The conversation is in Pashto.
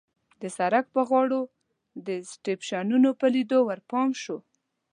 د سړک په غاړو د سټېشنونو په لیدو ورپام شو.